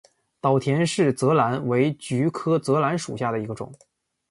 岛田氏泽兰为菊科泽兰属下的一个种。